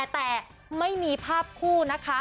แต่ไม่มีภาพคู่นะคะ